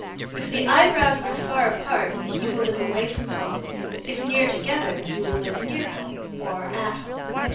If the eyebrows are far apart, you will live away from home; if near together, you will live near home, or at home.